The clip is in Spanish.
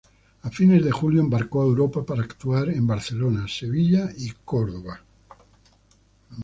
A fines de julio, embarcó a Europa para actuar en Barcelona, Sevilla y Córdoba.